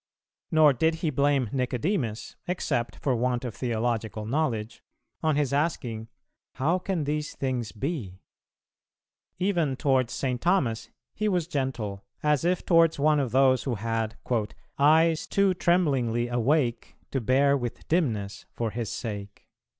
Nor did He blame Nicodemus, except for want of theological knowledge, on his asking "How can these things be?" Even towards St. Thomas He was gentle, as if towards one of those who had "eyes too tremblingly awake to bear with dimness for His sake."